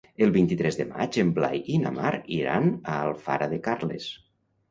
El vint-i-tres de maig en Blai i na Mar iran a Alfara de Carles.